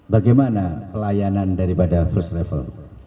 bagaimana pelayanan daripada first travel